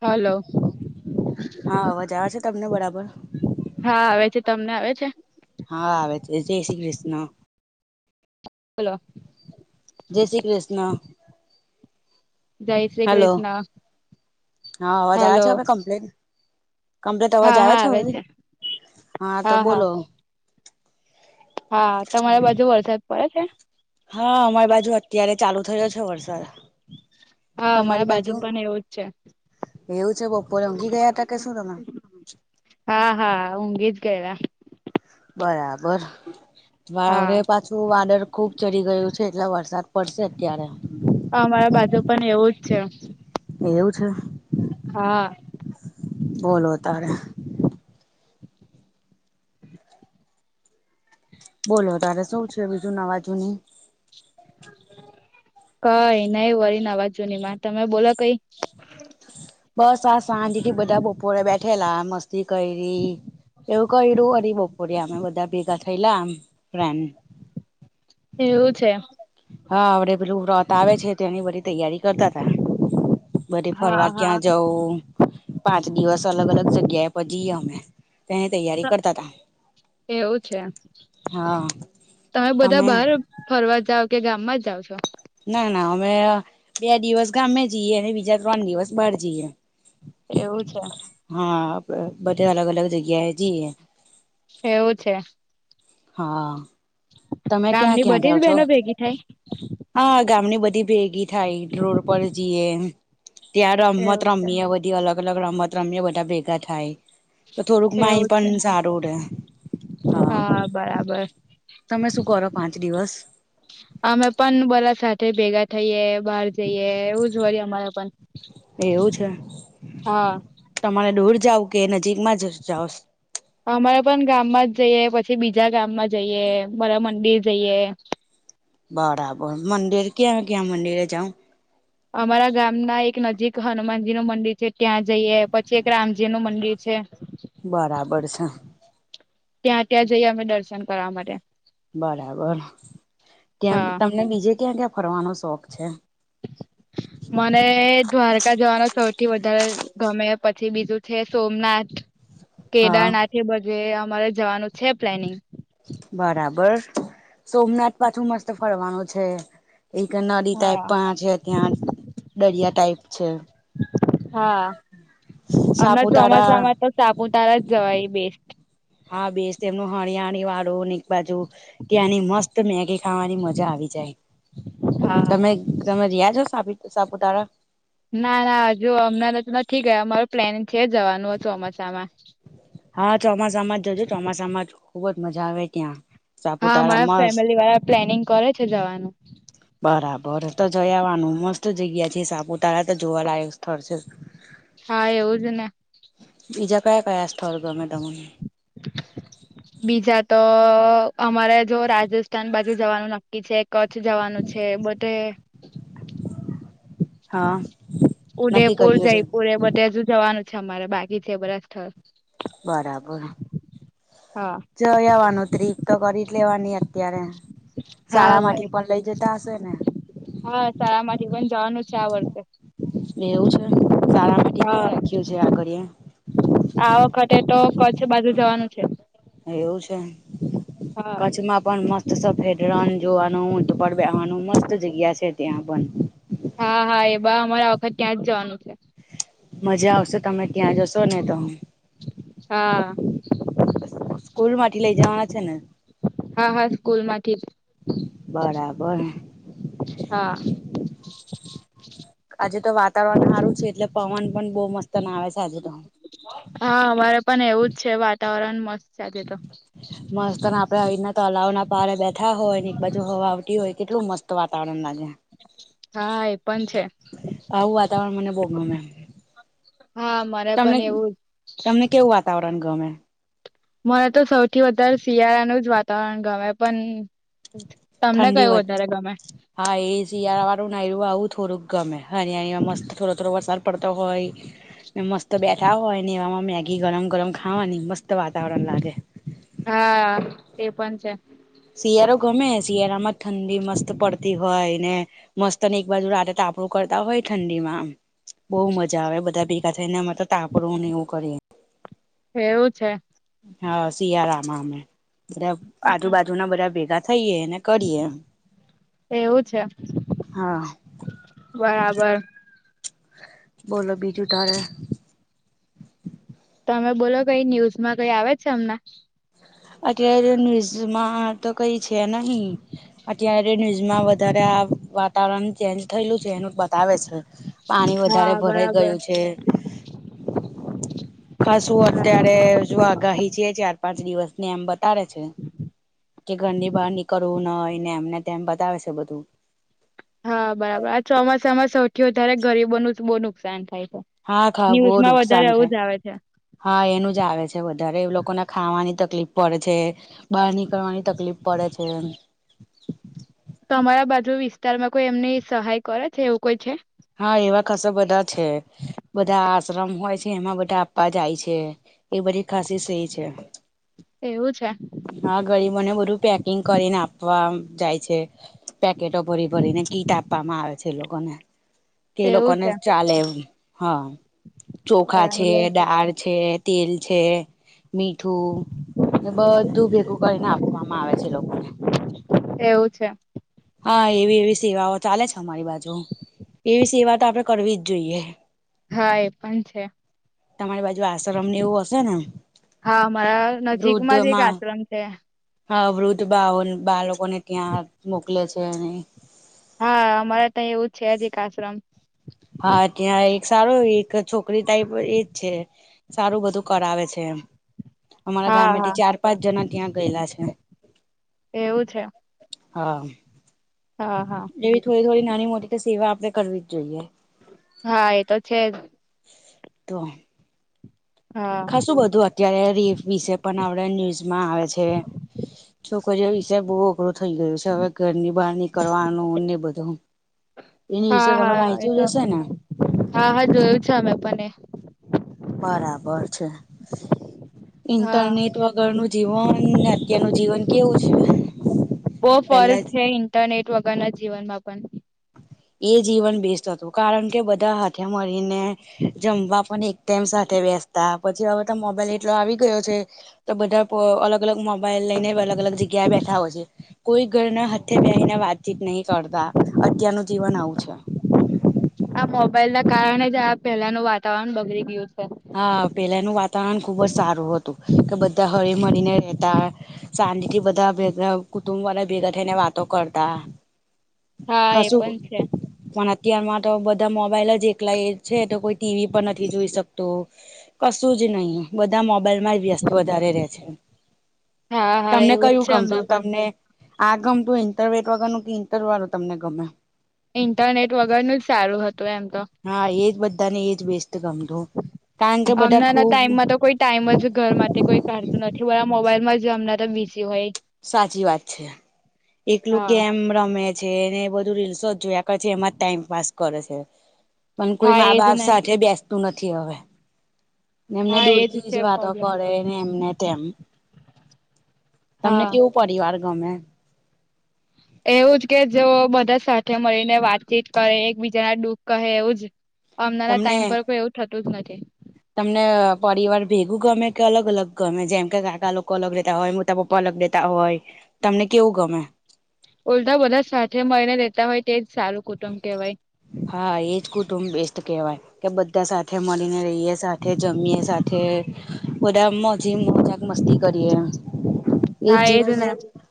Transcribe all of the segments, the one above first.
હાલો. હા અવાજ આવે છે. તમને બરાબર. હા આવે છે. તમને આવે છે. હા આવે છે. જય શ્રી કૃષ્ણ. બોલો. જય શ્રી કૃષ્ણ. જય શ્રી હલો. કૃષ્ણ હા અવાજ આવ હલો છે હવે [unintelligible] કમ્પ્લેટ અવાજ આવે છે હવે હા તો બોલો. હા તમારા બાજુ વરસાદ પડે છે? હા અમારી બાજુ અત્યારે ચાલુ થયો છે વરસાદ. હા અમારા બાજુ પણ એવું જ છે. એવું છે બપોરે ઊંઘી ગયા હતા કે શું તમે? હા હા ઊંઘી જ ગયેલા. બરાબર. હા હવે પાછું વાદળ ખુબ ચડી ગયું છે. એટલે વરસાદ પડશે અત્યારે. અમારા બાજુ પણ એવું જ છે. એવું છે. હા. બોલો અત્યારે. બોલો અત્યારે શું છે. બીજું નવા જુનું. કઈ નહી વરી નવા જુનામાં તમે બોલો. [inaudible] બસ આ શાંતિથી બધા બપોરે બેઠેલા મસ્તી કરી. એવું કયું અરી બપોરે અમે બધા ભેગા થયેલા આમ ફ્રેન્ડ એવું છે. હા, આપડે પેલું વ્રત આવે છે, તો એની બધી તૈયારી કરતા તા બધે હા ફરવા હા ક્યાં જવું, પાંચ દિવસ અલગ-અલગ જગ્યા એ બધી અમે તો એની તૈયારી કરતા તા એવું છે એમ, હા તમે બધા બાર ફરવા જાવ કે ગામમાં જ જાવ છો? ના-ના, અમે અ બે દિવસ ગામે જઈએ અને બીજા ત્રણ દિવસ બહાર જઈએ. એવું છે, એમ હા, બધે અલગ-અલગ જગ્યાએ જઈએ. એવું છે. હા, તમે ગામની ક્યાં-ક્યાં બધી જાઓ જ છો? બહેનો ભેગી થાય હા, ગામની બધી ભેગી થાય, રોડ પર જઈએ ને ત્યાં રમત એવું છે રમીએ બધી અલગ-અલગ રમત રમીએ, બધા ભેગા થાય. તો થોડુંક એવું માઈન્ડ છે પણ સારું રે હા, બરાબર તમે શું કરો? પાંચ દિવસ અમે પણ બધા સાથે ભેગા થઈએ, બાર જઈએ, એવું જ હોય અમારે પણ એવું છે હા તમારે દૂર જાવ કે નજીકમાં જ જાઓ અમારે પણ ગામમાં જઈએ, પછી બીજા ગામમાં જઈએ, મારા મંદિર જઈએ. બરાબર, મંદિર ક્યાં ક્યાં મંદિરે જાઉ? અમારા ગામ ના એક નજીક હનુમાનજી નું મંદિર છે ત્યાં જઈએ, પછી એક રામજી નું મંદિર છે. બરાબર છે. ત્યાં ત્યાં જઈએ, અમે દર્શન કરવા માટે બરાબર, ત્યાં હા તમને બીજે ક્યાં-ક્યાં ફરવાનો શોખ છે? [inaudible] મને દ્વારકા જવાનો સૌથી વધારે ગમે પછી બીજું છે, સોમનાથ હા કેદારનાથ ને બધે અમારે જવાનું છે, પ્લાનિંગ બરાબર, સોમનાથ પાછું મસ્ત ફરવાનું છે. એક નદી ટાઈપ હા પણ છે, ત્યાં દરિયા ટાઇપ છે. હા, હમણાં સાપુતારા ચોમાસામાં તો સાપુતારા જ જવાય, બેસ્ટ હા, બેસ્ટ એમનું હળિયાણ વાળું ને એક બાજુ કે આની મસ્ત તો મેગી ખાવાની મજા આવી જાય, હા. તમે.. તમે જયા છો, સાપુ- સાપુતારા ના-ના હજુ હમણાં ત નથી ગયા, અમારું પ્લેન છે, જવાનું ચોમાસામાં હા, ચોમાસામાં જજો, ચોમાસામાં જ ખુબ જ મજા આવે ત્યાં હા, સાપુતારા મારા મસ્ત ફેમિલી વાળા પ્લેનિંગ કરે છે જવાનું- બરાબર, તો જઈ આવાનું મસ્ત જગ્યા છે, સાપુતારા તો જોવાલાયક સ્થળ છે. હા, એવું જ ને બીજા કયા-કયા સ્થળ ગમે તમને? બીજા તો.. અમારે જો રાજસ્થાન બાજુ જવાનું નક કી છે, કચ્છ જવાનું છે બધે હા નક્કી ઉદેયપુર, કર્યું છે જયપુર એ બધે હજુ જવાનું છે, અમારે બાકી છે બધા સ્થળ બરાબર હા જયાવાનું ટ્રીપ તો કરી જ લેવાની અત્યારે હા વરી શાળામાંથી પણ લઇ જ જતાં હશેને, હા શાળામાંથી પણ જવાનું છે આ વર્ષે, એવું છે શાળામાં. હા છે [inaudible] કરીએ. ઘટે તો કચ્છ બાજુ જવાનું છે. એવું છે હા કચ્છમાં પણ મસ્ત સફેદ રણ જોવાનું ઊંટ બેહવાનું મસ્ત જગ્યા છે, ત્યાં પણ હા હા એ બા અમારા વખત ત્યાં જ જવાનું છે. મજા આવશે તમે ત્યાં જશો ને તો, હા સ્કૂલમાંથી લઇ જવાના છે. ને હા હા સ્કુલમાંથી જ બરાબર હા આજે તો વાતાવરણ હારું છે એટલે પવન પણ બહુ મસ્તનો આવે છે આજે તો હા અમારે પણ એવું જ છે. વાતાવરણ મસ્ત છે. આજે તો મસ્તના આપડે આવીના તલાવના પાળે બેઠા હોય ને એક બાજુ હવા આવતી હોય કેટલું મસ્ત વાતાવરણ લાગે. હા એ પણ છે આવું વાતાવરણ મને બોવ ગમે. હા મારે તમને પણ એવું જ, તમને કેવું વાતાવરણ ગમે? મને તો સૌથી વધારે શિયાળાનું જ વાતાવરણ ગમે પણ, તમને ઠંડી કયું વધ વધારે ગમે? હા એ શિયાળા વાળુંને આવું થોડુંક ગમે અયા મસ્ત થોડો થોડો વરસાદ પડતો હોય. મસ્ત બેઠા હોયને એવામાં મેગી ગરમ ગરમ ખાવાની મસ્ત વાતાવરણ લાગે. હા તે પણ છે. શિયાળો ગમે શિયાળામાં ઠંડી મસ્ત પડતી હોય ને, મસ્ત અને એક બાજુ રાતે તાપણું કરતા હોય ઠંડીમાં. બોવ મજા આવે બધા ભેગા થઈને અમે તો તાપણુંને એવું કરીએ. એવું છે. હા શિયાળામાં અમે બધા આજુબાજુના બધા ભેગા થઈએે ને, કરીએ એવું છે હા બરાબર. બોલો બીજું તારે? તમે બોલો કઈ ન્યૂઝમાં કઈ આવે છે હમણે? અત્યારે ન્યુઝમાં. તો કઈ છે નહી અત્યારે ન્યૂઝમાં વધારે આ વાત. વાતાવરણ ચેન્જ થયેલું છે, એનું બતાવે છે પાણી વધારે હા ભરાઈ બરાબર ગયું છે ખાસુ અત્યારે જો આગાહી છે. ચાર પાંચ દિવસ ને એમ બતાડે છે કે ઘરની બહાર નીકળવું નય એમને તેમ બતાવે છે બધું. હા, બરાબર. આ ચોમાસામાં સૌથી વધારે ગરીબોનું જ બહુ નુકસાન થાય. હા ખા બહુ ન્યૂઝમાં નુકસાન વધારે આવું થાય જ આવે છે. હા, એનું જ છે વધારે. એ લોકોને ખાવાની તકલીફ પડે. બહાર નીકળવાની તકલીફ પડે છે એમ. તમારા બાજુ વિસ્તારમાં કોઈ એમની સહાય કરે છે એવું કોઈ છે? હા, એવા ખાસા બધા છે. બધા આશ્રમ હોય છે ને, એમાં બધા આપવા જાય છે. એવી બધી ખાસી સહી છે. એવું છે? હા, ગરીબોને બધું પેકિંગ કરીને આપવા જાય છે. પેકેટો ભરી ભરીને કીટ આપવામાં આવે છે એ લોકોને. એ એવું લોકોને છે ચાલે એમ હા ચોખા છે, બરાબર દાળ છે. તેલ છે, મીઠું. ને બધું ભેગું કરીને આપવામાં આવે છે એ લોકોને. એવું છે? હા, એવી એવી સેવાઓ ચાલે છે અમારી બાજુ. એવી સેવા તો આપણે કરવી જ જોઈએ. હા, એ પણ છે. તમારી બાજુ આશ્રમ ને એવું હશે ને? હા, અમારા નજીકમાં જ એક વૃદ્ધમાં આશ્રમ છે. હા, વૃદ્ધ બા-બાળકોને ત્યાં મોકલે છે અને હા, અમારે ત્યાં એવું છે જ એક આશ્રમ. હા, ત્યાં એક સારો એક છોકરી ટાઈપ એજ છે. સારું, બધું કરાવે છે એમ. અમારા હા ગામેથી હા ચાર જણા ત્યાં ગયેલા છે એમ. એવું છે હા. હા હા. એવી થોડી-થોડી નાની-મોટી તો સેવા આપણે કરવી જ જોઈએ. હા, એ તો છે જ. તો. હા ખાસુ બધું આ અત્યારે રેપ વિશે પણ આપણા ન્યૂઝમાં આવે છે. છોકરીઓ વિશે બહુ પૂરું થઈ ગયું છે. હવે ઘરની બહાર નીકળવાનું ને બધું. એ ન્યૂઝ હા તો તમે હા એ વાંચ્યું જ તો હશે ને? હા હા, જોયું છે અમે પણ એ. બરાબર છે. હા ઇન્ટરનેટ વગરનું જીવન ને અત્યારનું જીવન, કેવું છે? બો પેલા ફોરેટ થઈ [inaudible] ત નેટ વગરના જીવનમાં પણ. એ જીવન બેસ્ટ હતું. કારણ કે બધા હાથે મળીને જમવા પણ એક ટાઈમ સાથે બેસતા. પછી હવે તો મોબાઈલ એટલો આવી ગયો છે. તો બધા પ અલગ-અલગ મોબાઈલ લઈને અલગ-અલગ જગ્યાએ બેઠા હોય છે. કોઈ ઘરના સાથે બેસીને વાતચીત નહીં કરતા. અત્યારનું જીવન આવું છે. આ મોબાઈલના કારણે જ આ પેલાનું વાતાવરણ બગડી ગયું છે. હા, પેલાનું વાતાવરણ ખૂબ જ સારું હતું. કે બધા હળીમળીને રહેતા. શાંતિથી બધા ભેગા, કુટુંબવાળા ભેગા થઈને વાતો કરતા. હા એ ખાસુ પણ છે પણ અત્યારમાં તો બધા મોબાઈલ જ એકલા એ છે. તો કોઈ ટીવી પણ નથી જોઈ શક તો કશું જ નહીં. બધા મોબાઈલ એમાં જ વ્યસ્ત વધારે રે છે. હા હા તમને એવું જ કયું છે ગમતું? હમણાં પણ તમને આ ગમતું ઇન્ટરવેટ વગરનું ઇન્ટર વાળું તમને ગમે? ઇન્ટરનેટ વગરનું જ સારું હતું એમ તો. હા એજ બધા ને એજ બેસ્ટ. ગમતું કારણ કે બધા હમણાના ખુબ ટાઈમમાં તો કોઈ ટાઈમ જ ઘર માટે કોઈ કાઢ તું નથી બધા મોબાઈલમાં જો એમનાં તો બીઝી હોય. સાચી વાત છે એકલું હા ગેમ રમે. છે એને બધું રીલ્સો જ જોયા કરે છે એમાં ટાઈમપાસ કરે છે. પણ હા કોઈ મા એજ બાપ ને સાથે બેસતું નથી હવે. એમને હા એજ દૂરથી જ છે વાતો પ્રોબ્લેમ કરેને એમને તેમ. તમને હા કેવું પરિવાર ગમે? એવું જ કે જો બધા સાથે મળીને વાતચીત કરે એકબીજાના દુઃખ કહે એવું જ હમણાંના તમને ટાઈમ પર કોઈ એવું થતું જ નથી. તમને પરિવાર ભેગું ગમે કે અલગ અલગ ગમે જેમ કે કાકા લોકો અલગ રહેતા હોય મોટા પપ્પા અલગ રેતા હોય તમને કેવું ગમે? ઉલટા બધા સાથે મળીને રેતા હોય તેજ સારું કુટુંબ કહેવાય. હા એજ કુટુંબ બેસ્ટ કેહવાય. કે બધા સાથે મળીને રહીએ સાથે જમીએ સાથે બધા મજી મોજા મસ્તી કરીએ. એ હા એજ જીવન ને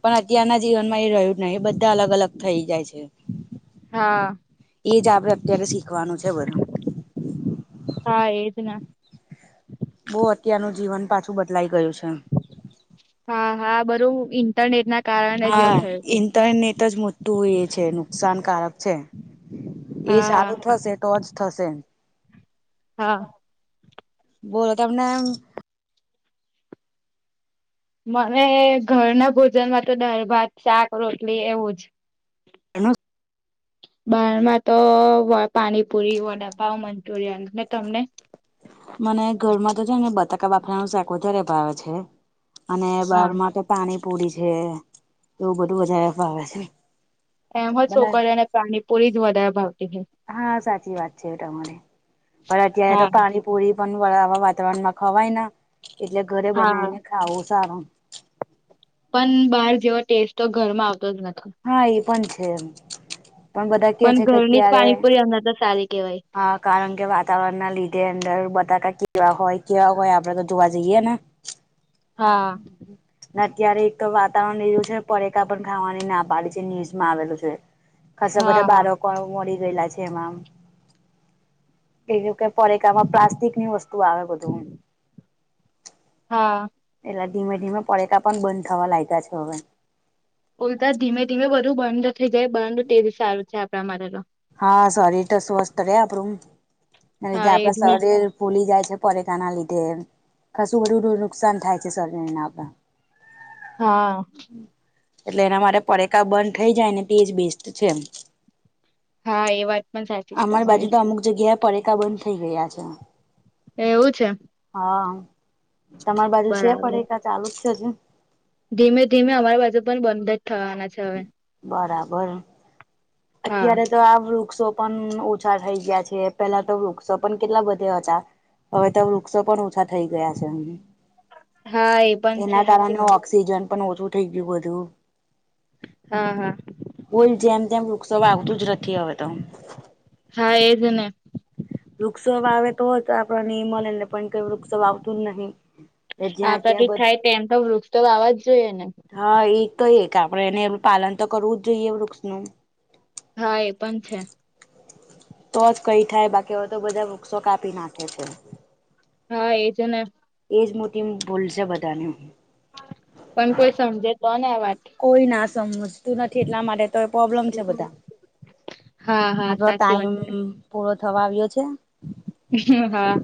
પણ અત્યારના જીવનમાં એ રહ્યું નહી એ બધા અલગ અલગ થઈ જાય છે. હા. એ જ આપડે અત્યારે શીખવાનું છે બધું. હા એજ ને. બહુ અત્યારનું જીવન પાછું બદલાઈ ગયું છે. હા હા બધુ ઇન્ટરનેટના હા ઇન્ટરનેટ જ મોટુ એ છે નુકસાનકારક છે. એ હા હા સારું થશે તોજ થશે. હા બોલો તમને એમ. મને ઘરના ભોજનમાં તો દાર ભાત શાક રોટલી એવું જ [unintelligible] બહારમાં તો પાણીપુરી વડાપાવ મંચુરિયન અને તમને મને ઘરમાં તો છે ને બતાકા બાફરાનું શાક વધારે ભાવે છે અને હા બાર મા તો પાણીપુરી છે એવું બધું વધારે ફાવે છે. એમ હો મને છોકરીઓ અને પાણીપૂરી જ વધારે ભાવતી હોય. હા સાચી વાત છે તમારી પણ અત્યારે હા તો પાણી પુરી પણ આવા વાતાવરણમાં ખવાયના એટલે ઘરે હા બનાવીને ખાવું સારું. પણ બહાર જેવો ટેસ્ટ તો ઘરમાં આવતો જ નથી. હા એ પણ છે એમ પણ બધા કે છે કે ઘરની જ અત્યારે પાણીપુરી અમને તો સારી કેવાય હા કારણ કે વાતાવરણના લીધે અંદર બટાકા કેવા હોય કેવા હોય આપડે તો જોવા જઈએ ના હા. અત્યારે એક તો વાતાવરણ એવુ છે પરેકા પણ ખાવાની ના પાડી છે ન્યૂઝમાં આવેલું છે. ખાસા હા બધા હા બારકો મળી ગયેલા છે એમાં એ લોકો પડીકામા પ્લાસ્ટિકની વસ્તુ તું આવે બધું. હા. એટલા ધીમે ધીમે પડીકા પણ બંધ થવા લાગ્યા છે હવે. ઉલતા ધીમે ધીમે બધું બંધ થઈ જાય. બંધ તે જ સારું છે. આપણા માટે તો હા શરી રતો સ્વસ્થ રહે આપણું એના લીધે હા એજ આપણા ને શરીર ફૂલી જાય છે. પરેકાના લીધે એમ કશું બધું નુકસાન થાય છે શરીરના આપણા [unintelligible] હા. એટલે એના માટે પડેકા બંધ થઇ જાય ને તેજ બેસ્ટ છે. હા એ વાત પણ સાચી છે અમાર બાજુ તમારી તો અમુક જગ્યા પડેકા બંધ થઇ ગયા છે. એવું છે. હા તમારી બાજુ છે. બરાબર પડેકા ચાલુ જ છે. અ ધીમે ધીમે અમારા બાજુ પણ બંધ જ થવાના છે. હવે બરાબર. હા અત્યારે તો આ વૃક્ષો પણ ઓછા થઈ ગયા છે. પહેલા તો વૃક્ષો પણ કેટલા બધે હતા. હવે તો વૃક્ષો પણ ઓછા થઈ ગયા છે એમ. હા એ પણ છે એના સાચી કારણે વાત ઓક્સિજન પણ ઓછું થઇ ગયું બધું. હા. હા. કોઈ જેમ તેમ વૃક્ષો વાવતું જ નથી. હવે તો હા એ જ ને વૃક્ષ વાવે તો જ આપણને મળે પણ કોઈ વૃક્ષ વાવતું જ નથી. આપણાથી થાય તેમ તો વૃક્ષ તો આવવા જ જોઈએ ને. હા એ તો એક આપણે એને પાલન તો કરવું જ જોઈએ. વૃક્ષનું હા એ પણ છે. તો જ કંઈ થાય. બાકી તો હવે બધા વૃક્ષો કાપી નાખે છે. હા એજ ને એ જ મોટી ભૂલ છે. બધાની પણ કોઈ સમજે તો વાત કોઈ ના સમજતું નથી. એટલા માટે તો પ્રોબ્લેમ છે બધા હા હા આપણો સાચી વાત ટાઈમ છે પૂરો થવા આવ્યો છે. હા. હા.